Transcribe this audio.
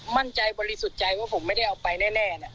บริสุทธิ์ใจว่าผมไม่ได้เอาไปแน่